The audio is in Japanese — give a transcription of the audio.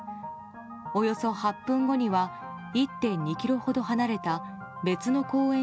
およそ８分後には１．２ｋｍほど離れた別の公園